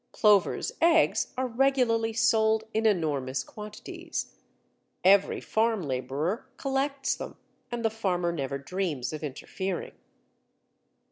Plovers' eggs are regularly sold in enormous quantities. Every farm labourer collects them, and the farmer never dreams of interfering.